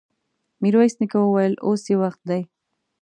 ميرويس نيکه وويل: اوس يې وخت دی!